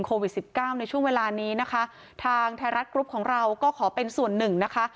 โควิดสิบเก้าในช่วงเวลานี้นะคะทางไทยรัฐกรุ๊ปของเราก็ขอเป็นส่วนหนึ่งนะคะ